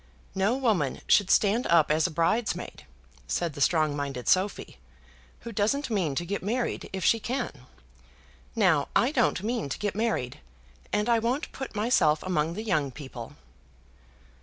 "No woman should stand up as a bridesmaid," said the strong minded Sophy, "who doesn't mean to get married if she can. Now I don't mean to get married, and I won't put myself among the young people."